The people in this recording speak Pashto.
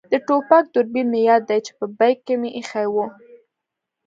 د ټوپک دوربین مې یاد دی چې په بېک کې مې اېښی وو.